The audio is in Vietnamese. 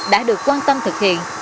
đã được quan tâm thực hiện